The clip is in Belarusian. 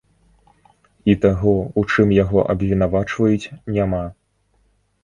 І таго, у чым яго абвінавачваюць, няма.